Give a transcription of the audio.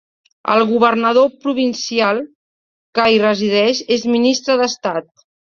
El governador provincial que hi resideix es ministre d'Estat.